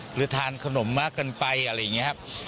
หรือทานขนมมากเกินไปอะไรอย่างนี้ครับ